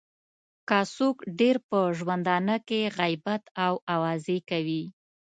که څوک ډېر په ژوندانه کې غیبت او اوازې کوي.